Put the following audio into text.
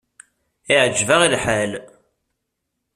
Iɛǧeb-aɣ lḥal.